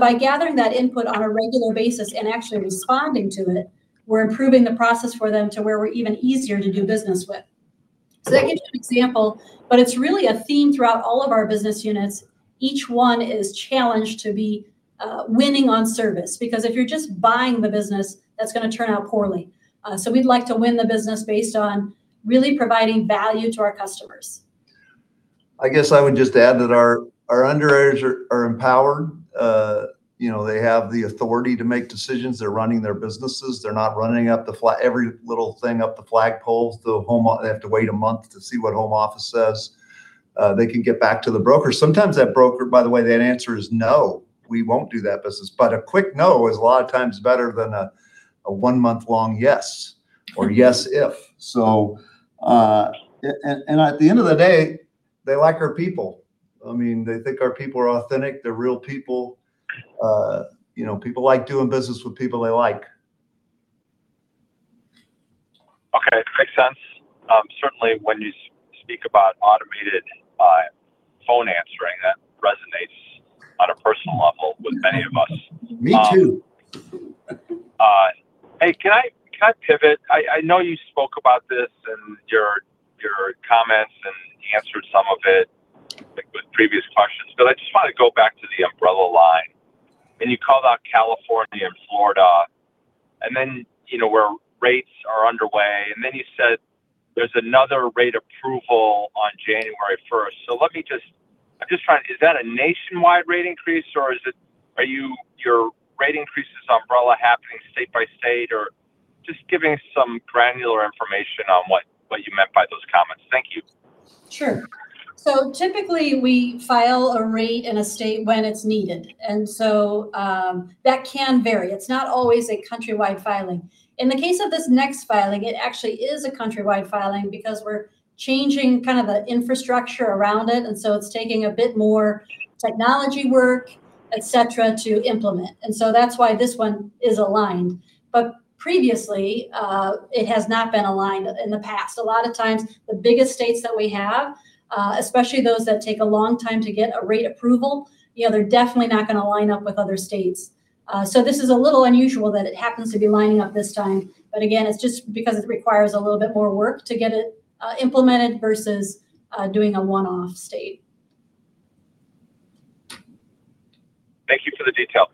By gathering that input on a regular basis and actually responding to it, we're improving the process for them to where we're even easier to do business with. That gives you an example, but it's really a theme throughout all of our business units. Each one is challenged to be winning on service, because if you're just buying the business, that's going to turn out poorly. We'd like to win the business based on really providing value to our customers. I guess I would just add that our underwriters are empowered. They have the authority to make decisions. They're running their businesses. They're not running every little thing up the flagpole, they have to wait a month to see what home office says. They can get back to the broker. Sometimes that broker, by the way, that answer is, "No, we won't do that business." A quick no is a lot of times better than a one-month-long yes or yes, if. At the end of the day, they like our people. They think our people are authentic, they're real people. People like doing business with people they like. Okay. Makes sense. Certainly, when you speak about automated phone answering, that resonates on a personal level with many of us. Me too. Hey, can I pivot? I know you spoke about this in your comments and answered some of it with previous questions, but I just want to go back to the umbrella line. You called out California and Florida, where rates are underway, and then you said there's another rate approval on January 1st. Is that a nationwide rate increase or are your rate increases umbrella happening state by state? Just giving some granular information on what you meant by those comments. Thank you. Sure. Typically, we file a rate in a state when it's needed. That can vary. It's not always a countrywide filing. In the case of this next filing, it actually is a countrywide filing because we're changing the infrastructure around it, and so it's taking a bit more technology work, et cetera, to implement. That's why this one is aligned. Previously, it has not been aligned in the past. A lot of times, the biggest states that we have, especially those that take a long time to get a rate approval, they're definitely not going to line up with other states. This is a little unusual that it happens to be lining up this time. Again, it's just because it requires a little bit more work to get it implemented versus doing a one-off state. Thank you for the detail.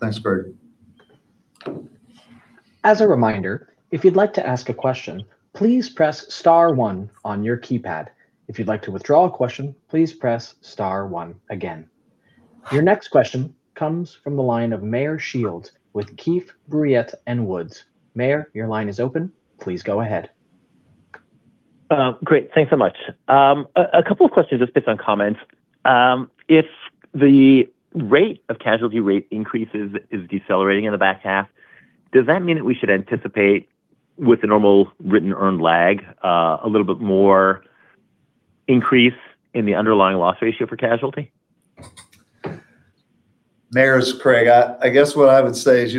Thanks, Peters. As a reminder, if you'd like to ask a question, please press star one on your keypad. If you'd like to withdraw a question, please press star one again. Your next question comes from the line of Meyer Shields with Keefe, Bruyette & Woods. Meyer, your line is open. Please go ahead. Great. Thanks so much. A couple of questions or spits on comments. If the rate of casualty rate increases is decelerating in the back half, does that mean that we should anticipate, with the normal written earned lag, a little bit more increase in the underlying loss ratio for casualty? Meyer, it's Craig. I guess what I would say is,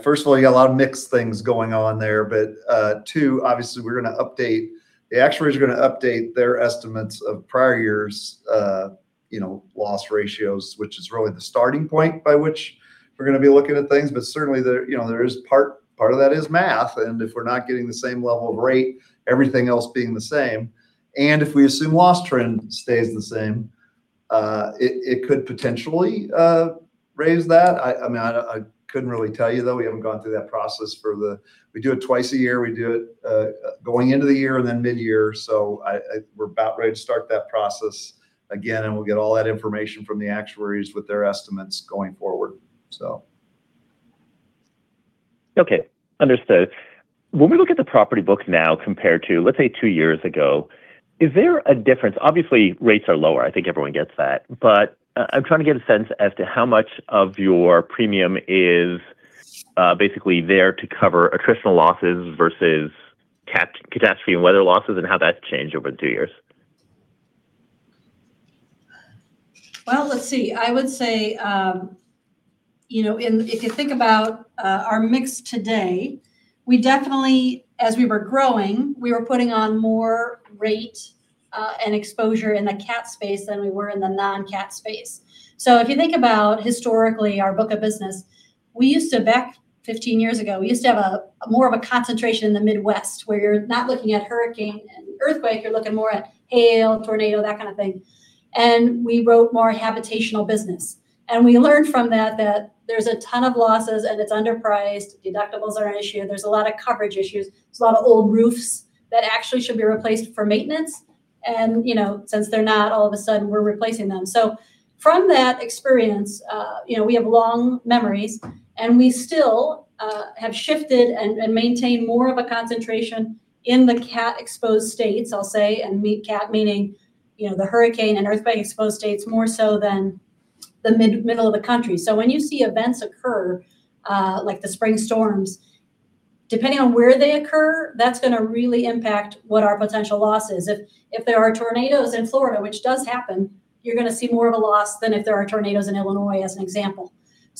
first of all, you got a lot of mixed things going on there. Obviously, the actuaries are going to update their estimates of prior years' loss ratios, which is really the starting point by which we're going to be looking at things. Certainly, part of that is math, and if we're not getting the same level of rate, everything else being the same, and if we assume loss trend stays the same, it could potentially raise that. I couldn't really tell you, though. We haven't gone through that process. We do it twice a year. We do it going into the year and then mid-year. We're about ready to start that process again, and we'll get all that information from the actuaries with their estimates going forward. Okay. Understood. When we look at the property book now compared to, let's say, two years ago, is there a difference? Obviously, rates are lower. I think everyone gets that. I'm trying to get a sense as to how much of your premium is basically there to cover attritional losses versus CAT, catastrophe and weather losses, and how that's changed over the two years. Well, let's see. I would say, if you think about our mix today, we definitely, as we were growing, we were putting on more rate and exposure in the CAT space than we were in the non-CAT space. If you think about, historically, our book of business, back 15 years ago, we used to have more of a concentration in the Midwest, where you're not looking at hurricane and earthquake, you're looking more at hail, tornado, that kind of thing. We wrote more habitational business. We learned from that there's a ton of losses and it's underpriced, deductibles are an issue, there's a lot of coverage issues. There's a lot of old roofs that actually should be replaced for maintenance, and since they're not, all of a sudden we're replacing them. From that experience, we have long memories, and we still have shifted and maintain more of a concentration in the CAT-exposed states, I'll say, and CAT meaning the hurricane and earthquake-exposed states more so than the middle of the country. When you see events occur, like the spring storms, depending on where they occur, that's going to really impact what our potential loss is. If there are tornadoes in Florida, which does happen, you're going to see more of a loss than if there are tornadoes in Illinois, as an example.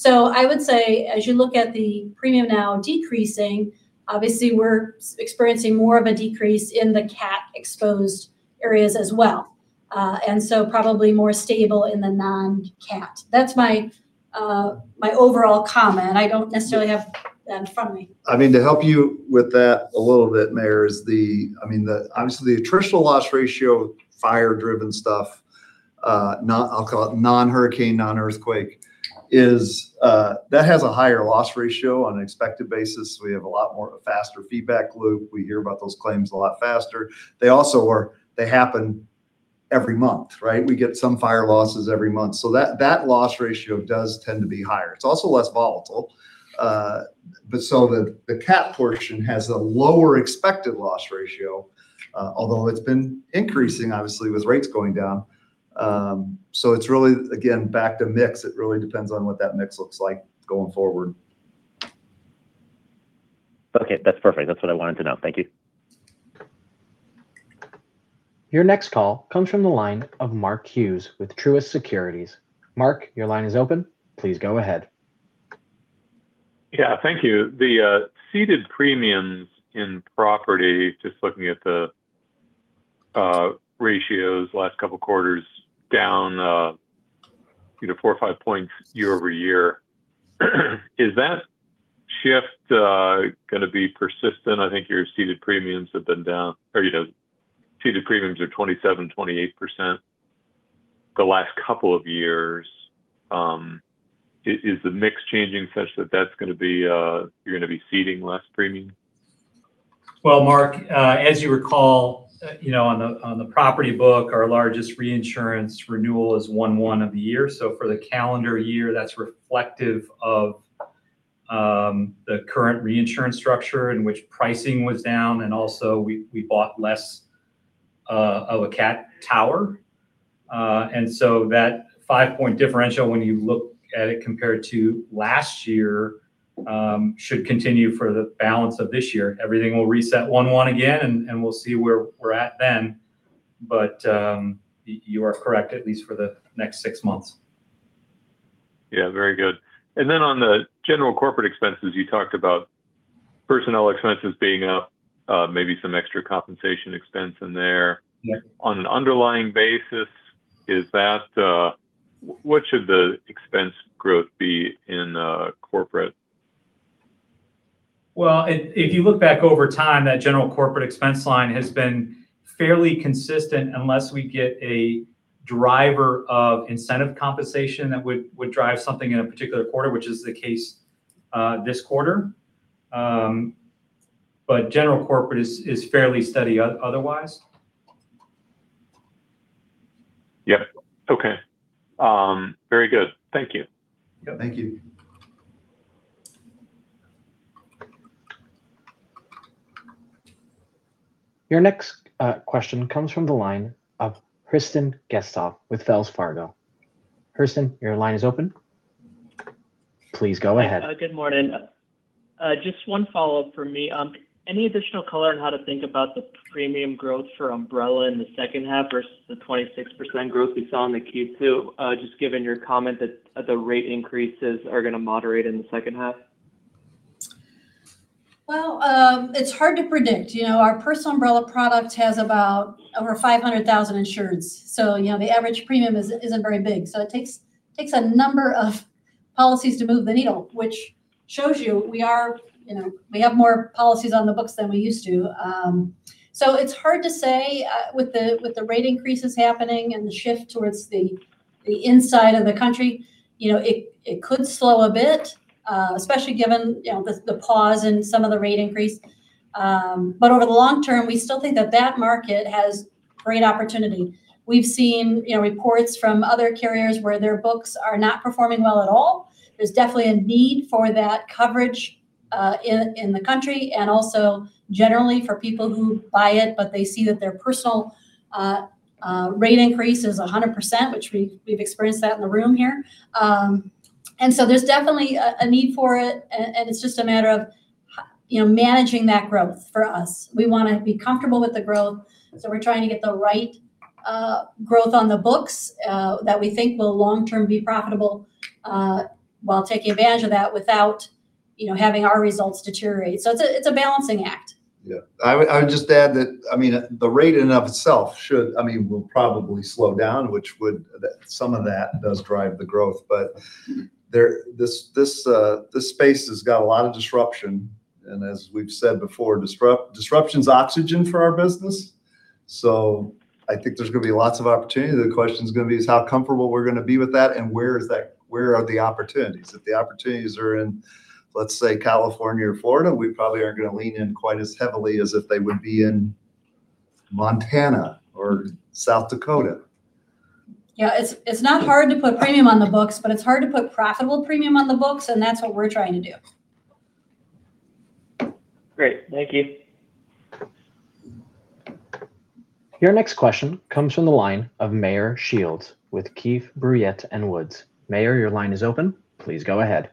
I would say, as you look at the premium now decreasing, obviously we're experiencing more of a decrease in the CAT-exposed areas as well. Probably more stable in the non-CAT. That's my overall comment. I don't necessarily have that in front of me. To help you with that a little bit, Meyer, is obviously the attritional loss ratio, fire-driven stuff, I'll call it non-hurricane, non-earthquake, that has a higher loss ratio on an expected basis. We have a lot more of a faster feedback loop. We hear about those claims a lot faster. They happen every month. We get some fire losses every month. That loss ratio does tend to be higher. It's also less volatile. The CAT portion has a lower expected loss ratio, although it's been increasing, obviously, with rates going down. It's really, again, back to mix. It really depends on what that mix looks like going forward. Okay. That's perfect. That's what I wanted to know. Thank you. Your next call comes from the line of Mark Hughes with Truist Securities. Mark, your line is open. Please go ahead. Yeah. Thank you. The ceded premiums in property, just looking at the ratios last couple of quarters down four or five points year-over-year. Is that shift going to be persistent? I think your ceded premiums have been down or your ceded premiums are 27%, 28% the last couple of years. Is the mix changing such that you're going to be ceding less premium? Mark, as you recall, on the property book, our largest reinsurance renewal is one one of the year. For the calendar year, that's reflective of the current reinsurance structure in which pricing was down, also we bought less of a CAT tower. That five-point differential, when you look at it compared to last year, should continue for the balance of this year. Everything will reset one one again, and we'll see where we're at then. You are correct, at least for the next six months. Very good. On the general corporate expenses, you talked about personnel expenses being up, maybe some extra compensation expense in there. Yeah. On an underlying basis, what should the expense growth be in corporate? Well, if you look back over time, that general corporate expense line has been fairly consistent unless we get a driver of incentive compensation that would drive something in a particular quarter, which is the case this quarter. General corporate is fairly steady otherwise. Yep. Okay. Very good. Thank you. Yeah, thank you. Your next question comes from the line of Christian Getzoff with Wells Fargo. Christian, your line is open. Please go ahead. Good morning. Just one follow-up from me. Any additional color on how to think about the premium growth for umbrella in the second half versus the 26% growth we saw in the Q2, just given your comment that the rate increases are going to moderate in the second half? Well, it's hard to predict. Our personal umbrella product has about over 500,000 insureds, the average premium isn't very big. It takes a number of policies to move the needle, which shows you we have more policies on the books than we used to. It's hard to say with the rate increases happening and the shift towards the inside of the country. It could slow a bit, especially given the pause in some of the rate increase. Over the long term, we still think that that market has great opportunity. We've seen reports from other carriers where their books are not performing well at all. There's definitely a need for that coverage in the country and also generally for people who buy it, but they see that their personal rate increase is 100%, which we've experienced that in the room here. There's definitely a need for it, and it's just a matter of managing that growth for us. We want to be comfortable with the growth, we're trying to get the right growth on the books that we think will long-term be profitable while taking advantage of that without having our results deteriorate. It's a balancing act. Yeah. I would just add that the rate in and of itself will probably slow down, which some of that does drive the growth. This space has got a lot of disruption, and as we've said before, disruption's oxygen for our business. I think there's going to be lots of opportunity. The question's going to be is how comfortable we're going to be with that and where are the opportunities. If the opportunities are in, let's say, California or Florida, we probably aren't going to lean in quite as heavily as if they would be in Montana or South Dakota. Yeah. It's not hard to put premium on the books, it's hard to put profitable premium on the books, and that's what we're trying to do. Great. Thank you. Your next question comes from the line of Meyer Shields with Keefe, Bruyette & Woods. Meyer, your line is open. Please go ahead.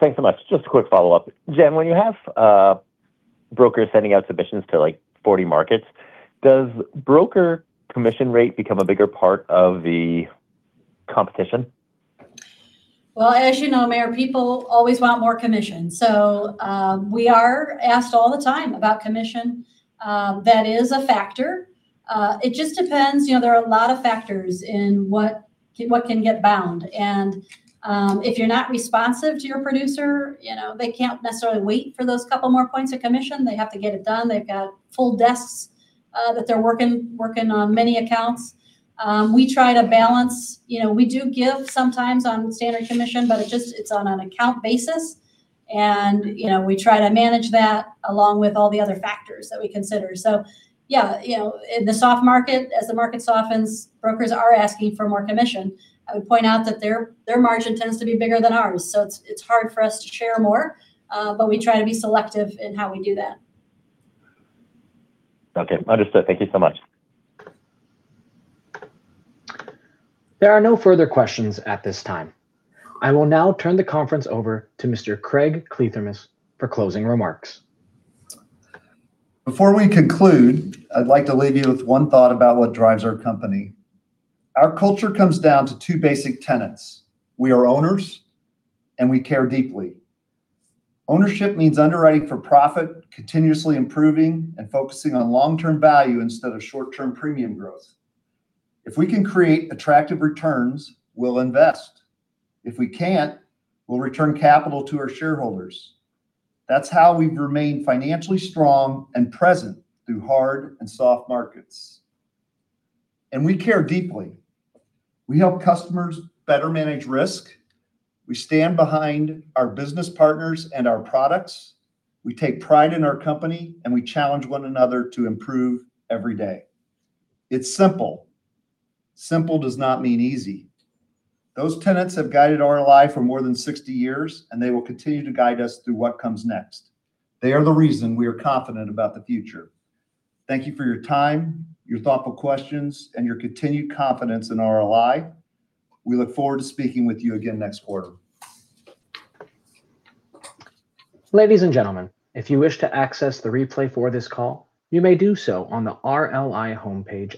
Thanks so much. Just a quick follow-up. Jen, when you have brokers sending out submissions to 40 markets, does broker commission rate become a bigger part of the competition? Well, as you know, Meyer, people always want more commission. We are asked all the time about commission. That is a factor. It just depends. There are a lot of factors in what can get bound. If you're not responsive to your producer, they can't necessarily wait for those couple more points of commission. They have to get it done. They've got full desks that they're working on many accounts. We try to balance. We do give sometimes on standard commission, but it's on an account basis, and we try to manage that along with all the other factors that we consider. Yeah, in the soft market, as the market softens, brokers are asking for more commission. I would point out that their margin tends to be bigger than ours, so it's hard for us to share more, but we try to be selective in how we do that. Okay. Understood. Thank you so much. There are no further questions at this time. I will now turn the conference over to Mr. Craig Kliethermes for closing remarks. Before we conclude, I'd like to leave you with one thought about what drives our company. Our culture comes down to two basic tenets: We are owners, and we care deeply. Ownership means underwriting for profit, continuously improving, and focusing on long-term value instead of short-term premium growth. If we can create attractive returns, we'll invest. If we can't, we'll return capital to our shareholders. That's how we've remained financially strong and present through hard and soft markets. We care deeply. We help customers better manage risk, we stand behind our business partners and our products, we take pride in our company, and we challenge one another to improve every day. It's simple. Simple does not mean easy. Those tenets have guided RLI for more than 60 years, they will continue to guide us through what comes next. They are the reason we are confident about the future. Thank you for your time, your thoughtful questions, and your continued confidence in RLI. We look forward to speaking with you again next quarter. Ladies and gentlemen, if you wish to access the replay for this call, you may do so on the RLI homepage.